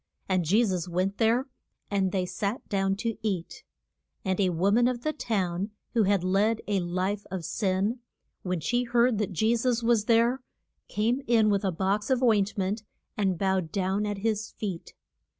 And Je sus went there, and they sat down to eat. And a wo man of the town, who had led a life of sin, when she heard that Je sus was there, came in with a box of oint ment and bowed down at his feet.